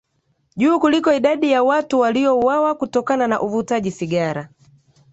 juu kuliko idadi ya watu waliouawa kutokana na uvutaji sigara